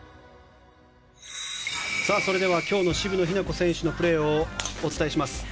それでは今日の渋野日向子選手のプレーをお伝えします。